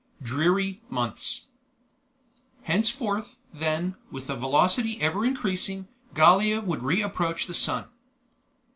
DREARY MONTHS Henceforth, then, with a velocity ever increasing, Gallia would re approach the sun.